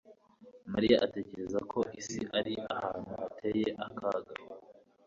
Mariya atekereza ko isi ari ahantu hateye akaga.